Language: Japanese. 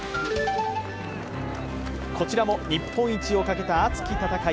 こちらも日本一をかけた熱き戦い。